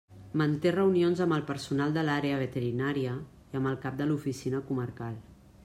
Manté reunions amb el personal de l'Àrea Veterinària i amb el cap de l'Oficina Comarcal.